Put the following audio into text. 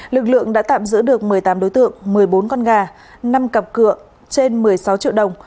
lực lượng đã tạm giữ được một mươi tám đối tượng một mươi bốn con gà năm cặp cửa trên một mươi sáu triệu đồng